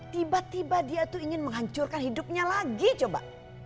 tiba tiba dia tuh ingin menghancurkan hidupnya lagi coba